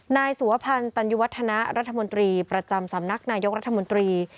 นายสุวพันธ์ตัญญวัฒนะรัฐมนตรีประจำสำนักนายกรัฐมนตรี